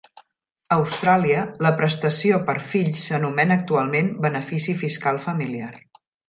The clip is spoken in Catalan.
A Austràlia, la prestació per fills s'anomena actualment benefici fiscal familiar.